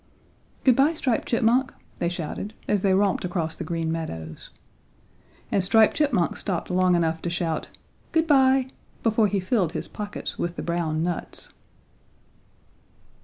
"Good bye, Striped Chipmunk," they shouted as they romped across the Green Meadows. And Striped Chipmunk stopped long enough to shout "Good bye" before he filled his pockets with the brown nuts.